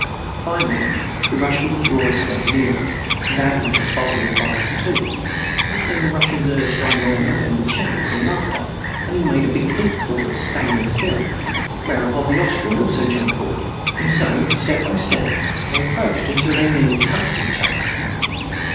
Finally the Russian would draw a step nearer, and our man boldly advanced too. Then the Russians urged on their man with shouts and laughter, and he made a big leap forward, standing still, whereupon the Austrian also jumped forward, and so, step by step, they approached until they nearly touched each other.